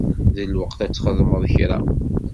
D lweqt ad txedmeḍ kra.